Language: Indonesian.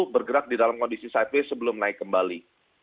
bergerak di dalam kondisi sideway sebelum naik kembali